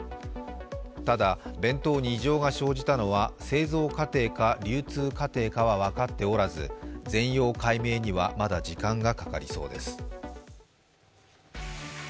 ただ、弁当に異常が生じたのは製造過程か流通過程かは分かっておらず全容解明にはまだ時間がかかりそうです。